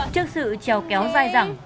trước sự trèo kéo dài dẳng